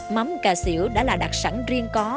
mắm cà xỉu đã là đặc sản riêng có